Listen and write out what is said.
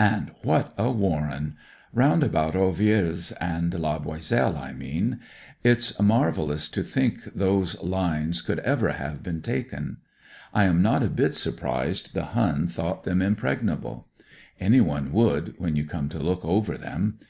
And what a warren ! Round about Ovillers and La Boiselle, I mean. It's marvellous to think those lines could 110 A REVEREND CORPORAL J ever have been taken. I am not a bit surprised the Hun thought them im pregnable. Anyone would, when you come to look over them.